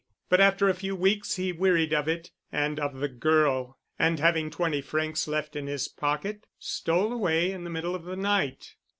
But after a few weeks he wearied of it, and of the girl, and having twenty francs left in his pockets stole away in the middle of the night.